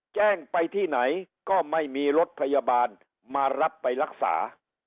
แจ้งไปที่ไหนก็ไม่มีรถพยาบาลมารับไปรักษา